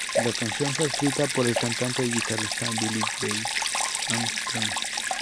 La canción fue escrita por el cantante y guitarrista Billie Joe Armstrong.